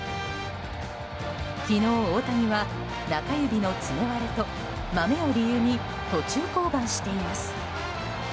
昨日、大谷は中指の爪割れとマメを理由に途中降板しています。